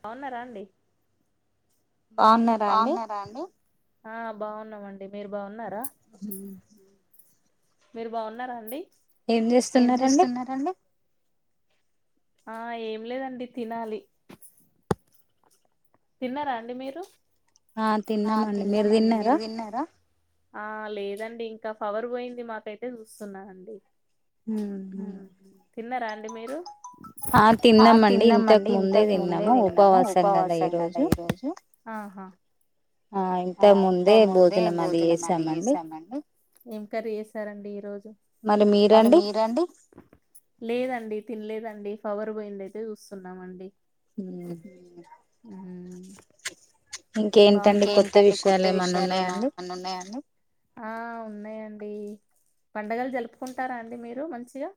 బావున్న రా అండి బాగున్నారా అండి ఆ బాగున్నామండి మీరు బాగున్నారా హుం మీరు బాగున్నారా అండి ఏం చేస్తున్నరండి ఆ ఏం లేదండి తినాలి తిన్నారా అండి మీరు ఆ తిన్నామండి మీరు తిన్నారా ఆ లేదండి ఇంకా ఫవర్ పోయింది మాకైతే చూస్తున్నా అండి ఉం తిన్నరా డి మీరు ఆ తిన్నామండి ఇంతకు ముందే తిన్నాము ఉపవాసం కద సం కదా ఈ రోజు ఆహా ఆ ఇంత ముందే భోజనం అది చేసామండి మరి మీరండి పవర్ పోయిండెతే చూస్తున్నామండి ఉం ఉం ఇంకేంటండి కొత్ ండి కొత్త విషయాలు ఏమన్న ఉన్నాయండి అండి పండగలు జలుపుకుంటారా అండి మీరు మంచిగా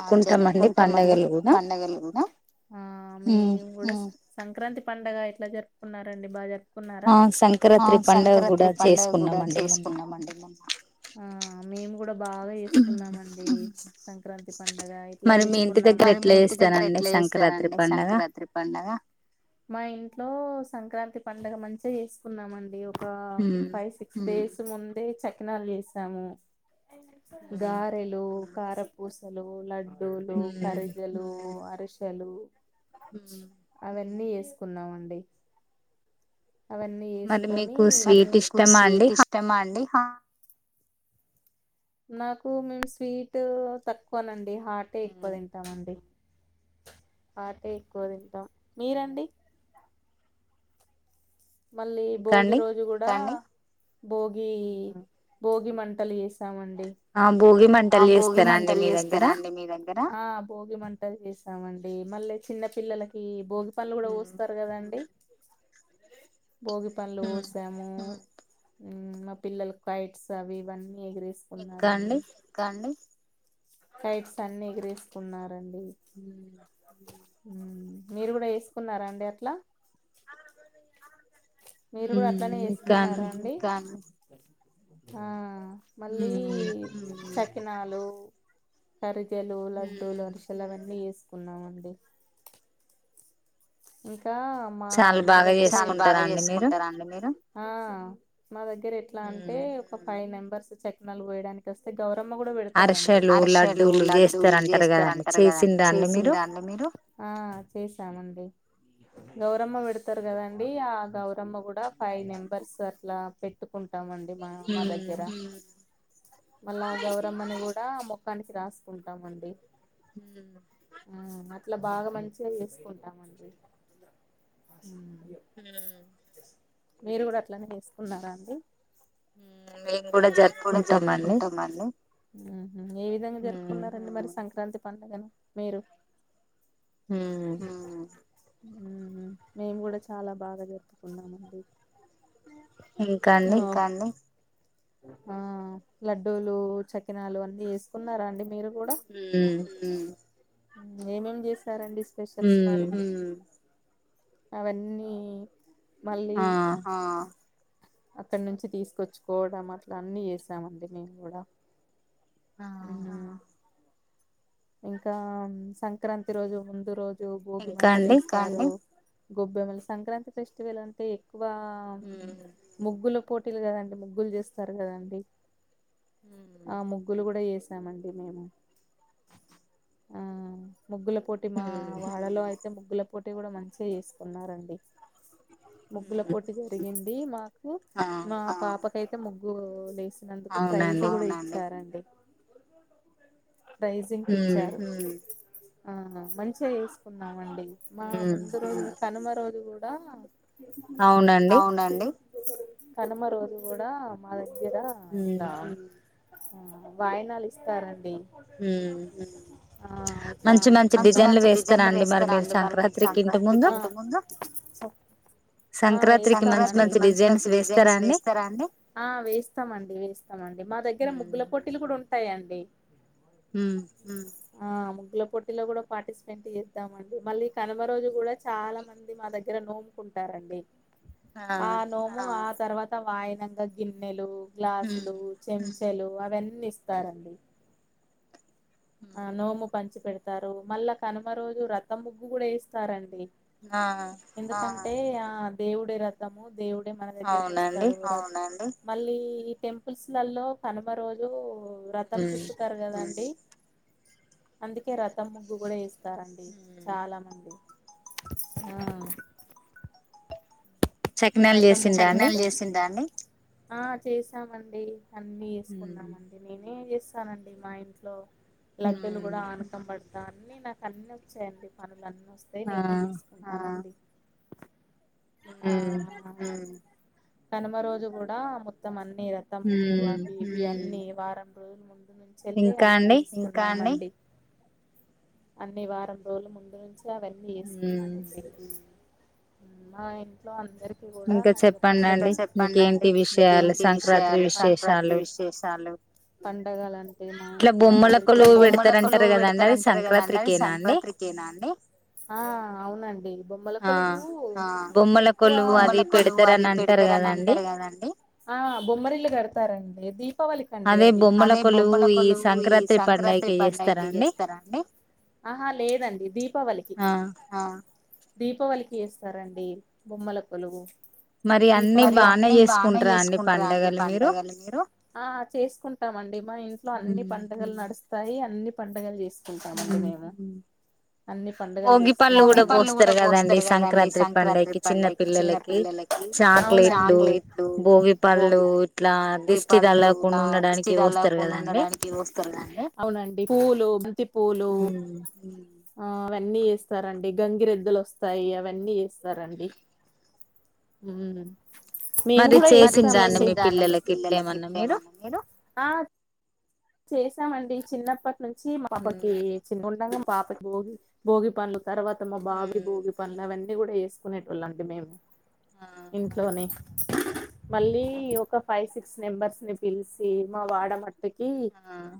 ఆ జరుపుకుంటామండి పండగలు కూడా ఉం పండగ ఎట్లా జరుపుకున్నారండి బాజర్ప్ కున్నారా ఆ సంకరాత్రి పండుగ కూడా చేసుకున్నామండి మొ ఆ మేము కూడా బాగా చేసుకున్నామండి సం [unintelligible] పడుగ ఎట్లా చేసుకున్నాం మరి మీ ఇంటి దగ్గర ఎట్లా చేస్తారండి సంక్రాంతి పండగ మా ఇంట్లో సంక్రాంతి పండుగ మంచిగా చేస్త ఉన్నామండి కా ఫైవ్ సిక్స్ డేస్ ముందే చకినాలు చేసాము గారెలు ఖార పూసలు లడ్ డులు కరిజలు అరి శలు హు అన్ని చేసుకున్నమండి అవన్నీ చేసుకొని మరి మీకు స్వీట్ ఇష్టమా అండి హా నాకు మేము స్వీట్ తక్కువనండి హార్టే ఎక్కువ తింటామండి హాటే ఎక్కువ తింటాం మీరు అండి మళ్ళీ భోగి రోజు కూడా భోగి భోగి మంట టలి మండి భోగి మంటలు చేస్తారా అండి మీ దగ్గర భోగి ఆ మంటలు చేస్తామండి మళ్ళీ చిన్న పిల్లలకి బోగి పళ్ళు కూడా పోస్తారు కదండి భోగిపండ్లు పోసాము ఊ మా పిల్లల కైట్స్ అవి ఇవన్నీ ఎగిరసుకున్నారండి ఇంకా అండి కైట్స్ అన్ని ఎగరేసి ఉన్నార్ రండి ఊ మీరు కూడా చేసుకున్నారా అండి ఎట్లా [inaudible] మీరు కూడా అట్లనే చేసుకున్నారా అండి ఆ మళ్ళీ సకినాలు కారీద్ లు లడ్డూలు ఆరిసలు అవన్నీ చేసుకున్నామండి ఉ హ్మ్ ఇంకా మా దగ్గర ఆ మా దగ్గర ఎట్లా అంటే ఒక ఫైవ్ నెంబ్ ఫస్ట్ చకినాలు పోయడానికి వస్తే గవర్ మ్మ కూడా పెడతారండి ఆ చేశామంది ఉ గౌరమ్మ పెడతారు కదండి ఆ గౌరమ్మ కూడా ఫైవ్ మెంబర్స్ అట్లా పెట్టుకుంట్ టామండి మా మా దగ్గర మళ్ళా ఆ గౌరమ్మని కూడా ఆ మొక్కానికి రాసుకుంటామండి. హుమ్ ఇట్లా బాగా మంచిగా చేసుకుంట హుమ్ మీరు కూడా అట్లనే చేసుకున్నారా అండి. మేము కూడా జరుపుకుంటాం అండి హ్మ్మ్ ఏ విధంగా జరుపుకున్నారండి మరి సంక్రాంతి పండ్ పండగను మీరు హ్మ్ మేము కూడా చాలా బాగా జరుపుకున్నామండి ఇంకా అండి ఆ లడ్డూలు చకినాలు అన్నీ చేసుకున్నారా అండి? మీరు కూడా ఏమేమి చేస్త్ రండి స్పెషల్స్ మరి అవన్నీ మళ్ళీ హా అక్కడ నుంచి తీసుకొచ్చుకోవడం అట్లా అన్ని చేసామండి మేము కూడా ఆ ఇంకా సంక్రాంతి రోజు ముందు రోజు ఇంక అండి గొబ్బెమ్మలు సంక్రాంతి ఫెస్టివల్ అంటే వా... మ్మో ముగ్గులు పోటీలు కదండి ముగ్గులు చేస్తారు కదండి ఆ ముగ్గులు గూడా ఎస్ అంటమండి మేము ముగ్గుల పోటీ మా వాడలో అయితే ముగ్గుల పోటీ గూడా మంచిగా చేసుకున్నారండి ముగ్గుల పోటీ జరిగింది మాకు మా పాపకు ఐతే ముగ్గు లే అసలందుకు ప్రైజ్ కూడా అవునా అండి ఇస్తారండి [inaudible] రైసింగ్ పిక్చర్ ఆ.. మంచిగా వేసుకున్నారు ండి మా ముందు రోజు కనుమ రోజు గూడా దా.. ఔనండి కనుమ రోజు గూడా మాదె ఇదా ఇట్లా వాయనాలు ఇస్తారండి ఊ ఆ మంచి మంచి డిజైన్లు వేస్తారా అండి మరి మీరు సంక్రాత్రికి ఇంటి ముందు సంక్రాత్రికి మంచి మంచి డిజైన్స్ వేస్తారా అండి వేస్తామండి వేస్తామండి మా దగ్గర ముగ్గుల పొట కూడా ఉ వస్తయండి ఊ ఆ ముగ్గుల పొట్టిలో కూడా పార్టిసిపేట్ చేద్దామండి మళ్ళీ కనుమ రోజు కూడా చాలా మంది మా దగ్గర నోముకుంటారండి ఆ నోము ఆ తర్వాత్ వాయనంగా గిన్నెలు గ్లాసులు చెమ్స్ చెలు అవన్నీ ఇస్తారండి ఆ నోము పంచి పెడుతు స్తారు మళ్ళా కనుమ రోజు రతం ముగ్గు గూడా ఏస్తారండి ఆ అంటే ఆ దేవుడే రథము దేవుడు మన దగ్గరికి వస్తాడు అవునా అండి మళ్ళీ ఈ టెంపుల్స్ లల్లో కనుమ రోజు రతం తిప్పుతారు గాదాండి అందుకే రతం ముగ్గు గూడా ఏస్ వస్తారండి చాలా మంది ఆ రథం చక్నాలు చేసిందా అండి ఆ చేసామండి అన్ని చేసుకున్నామండి నేనే చేస్తానండి మా ఇంట్లో లతను కూడా ఆన్ అాన్ని నాకు అన్ని వచ్చాయండి పనులన్నీ వస్తే నేనే చేసుకుంటా హ హుమ్ కనుమ రోజు కూడా మొత్తం అన్ని రతం ముగ్గు అవి ఇవి అన్ని వారం రోజు చెల్లె అన్ని చేస్తున్నమండి అన్ని వారం రోజుల ముందు ను ఇవన్నీ చేసుకున్నామ అందు ఉ ఇంట్లో అందరికి ఇ కూడా అయ్య పడుగ చెప్పండి ఇంకేంటి విషయాలు సంక్రాంతి విశేషాలు పంత డగాలంటే మా ఇంట్లో అందరికిలా బొమ్మ కొలు పెడతారంటారు కదండి అది సంక్రాంతకినా అండి అవునండి బొమ్మల కొలు ఎక్కు కొలు అది పెడతారు అని అంటారు కదం బొమ్మరిల్లు కడతారండి నది దీపావళికి అండి అది అదే బొమ్మల కొలువు ఈ సంక్రాంతి పడుగకి చేస్తారండి ఆహా లేదండి దీపావళికి ఆ దీపావళికి ఏస్తారండి బొమ్మలకు పలు దీ మరి అన్ని బాగానే చేసుకుంటార అండి పండగలు మీరు ఆ చేసుకుంటామండి మా ఇంట్లో అన్ని పండగలు నడుస్తు వస్తాయి అన్ని పండగలు చేస్తాయి కుంటం అండి మేము అన్ని పండుగలు చేస్త భోగి పండ్లు కూడా పోస్తారు కదండి సంక్రాంతి పండుగ పిల్లలకి చాక్లెట్లు భోగిపళ్ళు పగి పళ్ళు ఆ నిశ్చితాలు లేకుండా ఉండడానికి వస్తుడి అవునండి పూలు మంత పూలు ఆ అవన్నీ ఏస్తారండి గంగిరెద్దులు వస్తాయి అవన్నీ ఏస్తారండి. మరి చేసిండ్రా అండి మీ పిల్లలకి ఆ చేసామండి చిన్నప్పట్ టీ నుంచి మా పాపకి చిన్నగుండ పాప కి బోగి భోగి పళ్లు తర్వాత మా బాబు భోగి పళ్ళు అవని ఇది కూడా వేసుకునేటోళ్ళండి మేము ఇంట్లోనే మళ్ళీ ఒక ఫైవ్ సిక్స్ మెంబర్స్ ని పిలిచి మా వాడ మట్టుకి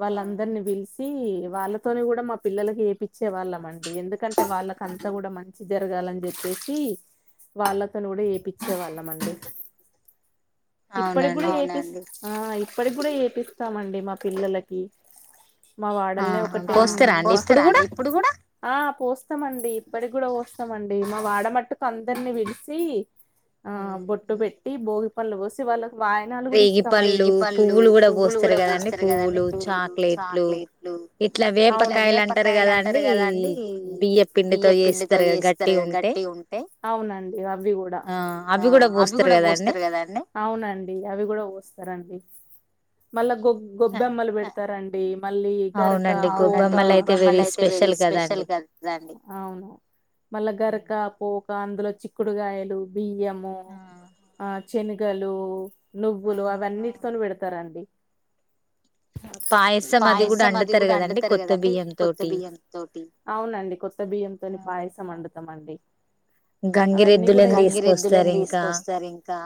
వాళ్ళందరిని పిలిస్ య్ వాళ్ళతోని కూడా మా పిల్లలకి ఏపిచ్చే వాళ్ళం అండి ఎందుకంటే వాళ్ళకి అంతా కూడా మంచిదే గాలని చెప్పేసి వాళ్ళతోను కూడా ఏపిచ్చేవాళ్ళమండి ఇప్పటికి కూడా ఆ ఇప్పటికి కూడా చేపిస్తామండి మా పిల్లలకి మా వాడల్ని ఒకటి ఆ పోస్తామండి ఇప్పటికి కూడా పోస్త పోస్తామండి మా వాడ మట్టుక్ కందరిని విడిసి ఆ బొట్టు పెట్టి భోగి పళ్ళు భోసి వాల్ వాయనాలు కూడా ఇస్తామండి కదండీ పువ్వులు, చాక్లెట్లు, వేపకాయలు అంటారు కదాండి బియ్య పిండితో ఏస్తారు కదా గట్టి ఉంటే అవి కూడా పోస్తారు కదండి అవి కూడా పోస్తారండి మళ్ళా గొబ్ గొబ్బెమ్మలు పెడతారండి [unintelligible] మళ్ళీ గర్కా మళ్ళ గర్కా అందులో చిక్కుడుగాయలు బియ్యము ఆ శెన్గలు నువ్వులు అవన్నిటితోన్ వెడ్ ఇస్తారండి పాయసం అది గూడా అండుతరు కదండి కొత్త బియ్యంంతోటి అవునండి కొత్త బియ్యంతో పాయసం వండుతమండి అవన్నీ గూడా గంగిరద్దులని తీసుకొస్తరు ఇంకా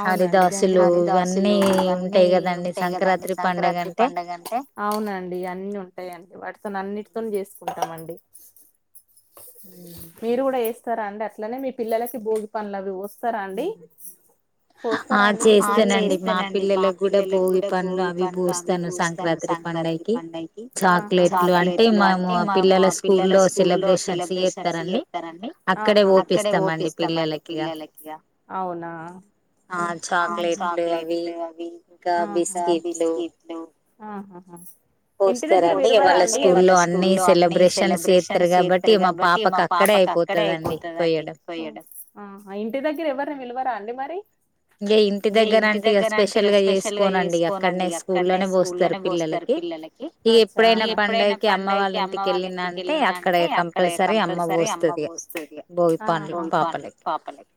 అవునండి హరిదాసులు ఇవన్నీ ఉంటయి కదండి సంకరాత్రి పండుగ అంటే అవునండి అన్ని ఉంటయ్ అండీ వాటితోని అన్నిటితోని చేసుకుంటామండీ మీరు కూడా చేస్తరా అండి అస్ అట్నే మీ పిల్లలకి భోగి పండ్లు అవి పోసి రా అండి పోస్తరా అండి మీ పిల్లలకి చేస్తనండి మా పిల్లలకు గూడా భోగి అవిభూస్తాను సంకరాత్రి పండగకి చాక్లెట్లు అంటే మాము పిల్లల స్కూల్లో సెలబ్రేషన్స్ చేత్తరండి ఆహా అక్కడే ఓపిస్తమండి పిల్లలకిగా అవునా ఆ చాక్లెట్లు అవి బిస్కెట్లు ఆహాహా ఇంటి దగ్గర వీరువరాండి వాళ్ళ స్కూల్లో అన్ని సెలబ్రేషన్స్ చేత్తరు కాబట్టి మా పాపకు అక్కడే అయిపోతదండి పొయ్యడం ఆ ఇంటి దగ్గర ఎవ్వరిని పిలువరా అండి మరి ఇగ ఇంటి దగ్గర అంటే ఇగ స్పెషల్ గా చేసుకోనండి ఇగ అక్కన్నే స్కూల్లోనే పోస్తరు పిల్లలకి అచ్చా ఇగ ఎప్పుడైనా పండగకి అమ్మ వాళ్ళ ఇంటికి కెళ్ళిన అంటే అక్కడ కంపల్సరీ అమ్మ పోస్తది ఇగ ఆ భోగి పండ్లు పాపలకి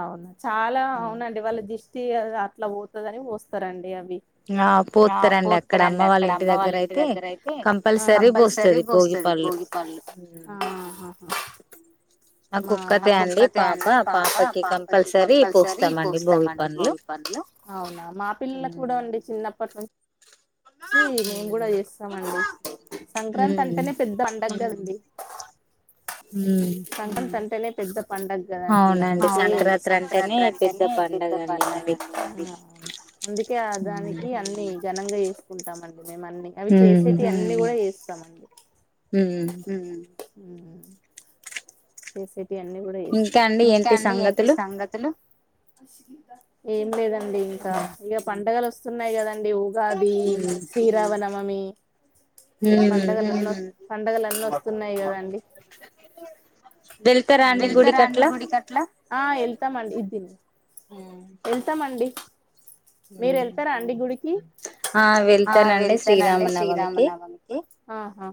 అవునా చాలా అవునండి దిష్టి అట్లా పోతదని పోస్తరండి అవి ఆ పోత్తరండి అక్కడ అమ్మ వాళ్ళ ఇంటి దగ్గర అయితే కంపల్సరీ పోస్తది భోగి పళ్ళు ఆహాహా మా నా కొక్కతే అండి పాప పాపకి కంపల్సరీ పోస్తమండి భోగి పండ్లు అవునా మా పిల్లలకు కూడా అండి చిన్నప్ పటన్ ఈ మేము గూడా చేస్తమండి సంక్రాంతి అంటేనే పెద్ద అండగ గదండి హ్మ్ అంటేనే పెద్దమ్ పండగ గదండి అవునండి సంకరాంత్రి అంటేనే పెద్ద పడగండి అందుకే దానికి అన్ని ఘనంగా చేసుకుంటామండి మేము అన్ని అవి చేసేటి అన్ని కూడా చేస్తాం హ్మ్ హ్మ్ ఏసే ఇయన్ని కూడా చేస్తాం ఇంకా అండి ఏంటి సంగతులు ఏం లేదా అండి ఇంకా ఇగ పండగలు వొస్ సున్నాయి గదా డి ఉగాది శ్రీరావ నమమి [inaudible] పండగలున్న పండగలు అన్నీ వస్తున్నాయి కదండి వెళ్తారా అండి గుడికట్లా ఆ వెళ్తామండి ఇది తిను వెళ్తమండి మీరు వెళ్తారా అండి గుడికి ఆ వెళ్తనండి శ్రీరామనవమికి ఆహా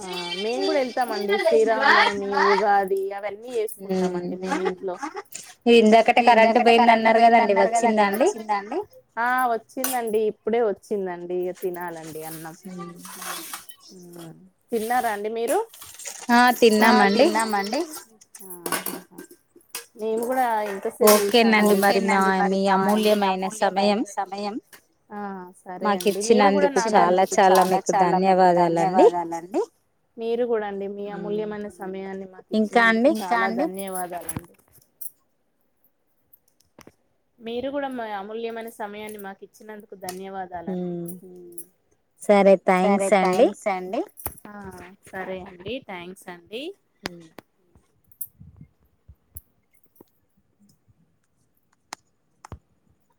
ఆ మేము కూడా వెళ్తామండి శ్రీరామనవమి ఉగాది అవన్నీ చేసుకుంటామండి మేం ఇంట్లో ఇందాకటే కరెంట్ పోయిందన్నరు కదండి వచ్చిందాండి హ వచ్చిందండి ఇప్పుడే వచ్చిందండి ఇక తినాలండి డీ అన్నం తిన్నారా అండి మీరు ఆ తిన్నామండి ఆహా నేను కూడా ఓకేనండి మరి మా మీ అమూల్యమైన సమయం సరే అండి మీరు కూడా నాకిచ్చినందుకు చాలా చాలా ధన్యవాదాలండి మీరు కూడా అండి మీ అమూల్యమైన సమయాన్ని మాకు ఇచ్చినందుకు చాలా ధన్యవాదాలు జాలడి మీరు కూడా అమూల్యమైన సమయాన్ని మాకు ఇచ్చినందుకు ధన్యవాదాలండి సరే థ్యాంక్స్ అండి ఆ సరే అండి థ్యాంక్స్ అండి హ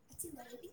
వచ్చిందది